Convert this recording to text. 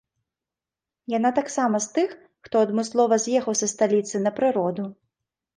Яна таксама з тых, хто адмыслова з'ехаў са сталіцы на прыроду.